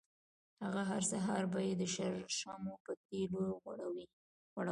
هغه هر سهار به یې د شرشمو په تېلو غوړولې.